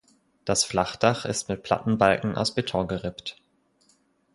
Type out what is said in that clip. Das Flachdach ist mit Plattenbalken aus Beton gerippt.